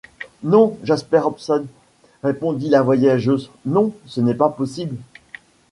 Non, Jasper Hobson, répondit la voyageuse, non, ce n’est pas possible!